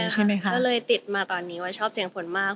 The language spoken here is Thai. ก็เลยติดมาตอนนี้ว่าชอบเสียงฝนมาก